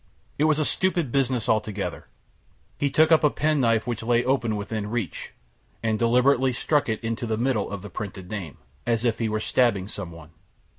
It was a stupid business altogether! He took up a penknife which lay open within reach, and deliberately stuck it into the middle of the printed name, as if he were stabbing some one.